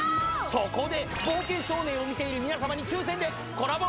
そこで「冒険少年」を見ている皆様に抽選でコラボ